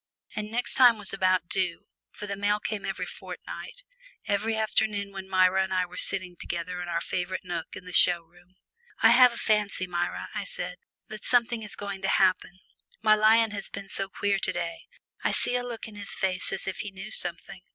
And "next time" was about due, for the mail came every fortnight, one afternoon when Myra and I were sitting together in our favourite nook in the show room. "I have a fancy, Myra," I said, "that something is going to happen. My lion has been so queer to day I see a look on his face as if he knew something."